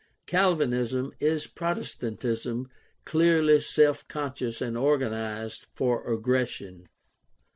Calvinism is Protestantism clearly self conscious and organized for aggres sion.